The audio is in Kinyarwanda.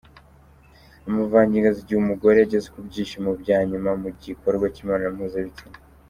Amavangingo aza igihe umugore ageze ku byishimo bya nyuma mu gikorwa cy’imibonano mpuzabitsina.